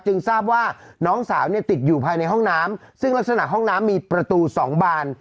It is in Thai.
ทราบว่าน้องสาวเนี่ยติดอยู่ภายในห้องน้ำซึ่งลักษณะห้องน้ำมีประตู๒บาน